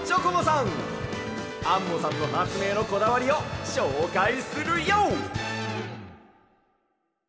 アンモさんのはつめいのこだわりをしょうかいするＹＯ！